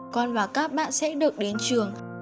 con và các bạn sẽ được đến trường